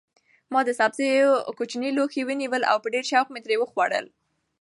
ما د سبزیو کوچنی لوښی ونیو او په ډېر شوق مې ترې وخوړل.